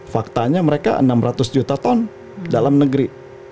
faktanya mereka enam ratus juta ton dalam negeri